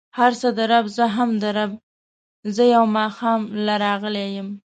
هر څه د رب، زه هم د رب، زه يو ماښام له راغلی يم.